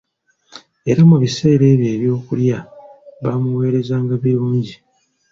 Era mu biseera ebyo ebyokulya baamuweerezanga birungi.